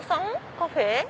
カフェ？